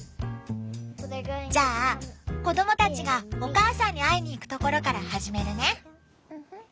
じゃあ子供たちがお母さんに会いに行くところから始めるね。